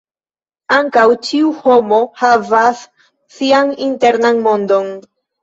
Ankaŭ ĉiu homo havas sian internan mondon.